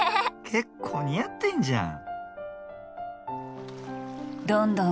結構似合ってるじゃん。